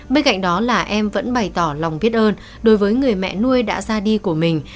bên cạnh đó là em vẫn bày tỏ lòng biết ơn đối với người mẹ nuôi đã ra đi của mình